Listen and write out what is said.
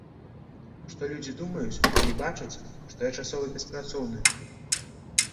Што людзі думаюць, калі бачаць, што я часова беспрацоўны?